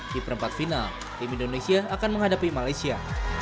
di perempat final tim indonesia akan menghadapi malaysia